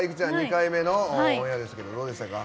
２回目のオンエアでしたけどどうでしたか？